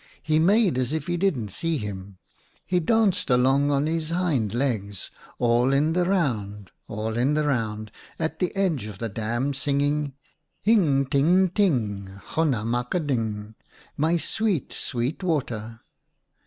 He made as if he didn't see him. He danced along on his hind legs, all in the round, all in the round, at the edge of the dam, singing :—* Hing ting ting ! Honna mak a ding ! My sweet, sweet water